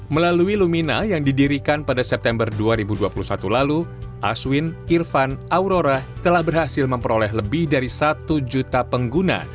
melalui lumina yang didirikan pada september dua ribu dua puluh satu lalu aswin irfan aurora telah berhasil memperoleh lebih dari satu juta pengguna